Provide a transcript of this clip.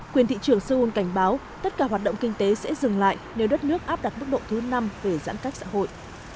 quyền thị trường seoul cảnh báo tất cả hoạt động kinh tế sẽ dừng lại nếu đất nước áp đặt mức độ thứ năm về giãn cách xã hội